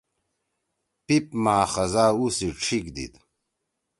پیپ ما خزا اُو سی ڇھیِک دیِد۔